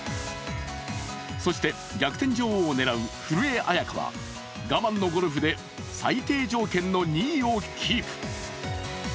そして逆転女王を狙う古江彩佳は我慢のゴルフで最低条件の２位をキープ。